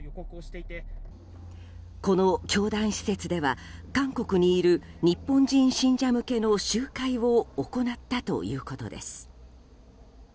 この教団施設では韓国にいる日本人信者向けの集会を行ったということです。